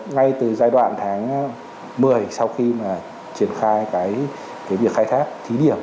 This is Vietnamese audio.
ngay từ giai đoạn tháng một mươi sau khi triển khai việc khai thác thí điểm